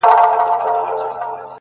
د زړه بوټى مي دی شناخته د قبرونو ـ